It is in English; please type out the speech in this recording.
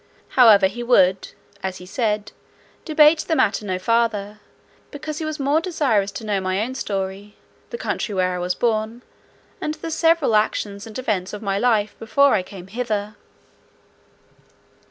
However, he would," as he said, "debate the matter no farther, because he was more desirous to know my own story, the country where I was born, and the several actions and events of my life, before I came hither."